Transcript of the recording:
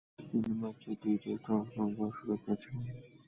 তিনি মাত্র দুই টেস্টে অংশগ্রহণ করার সুযোগ পেয়েছিলেন।